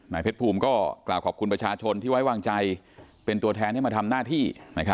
เพชรภูมิก็กล่าวขอบคุณประชาชนที่ไว้วางใจเป็นตัวแทนให้มาทำหน้าที่